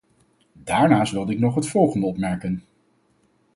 Daarnaast wilde ik nog het volgende opmerken.